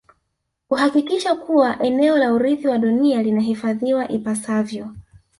Kuhakikisha kuwa eneo la urithi wa dunia linahifadhiwa ipasavyo